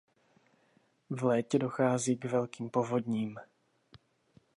V létě dochází k velkým povodním.